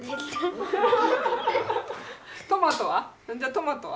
トマトは？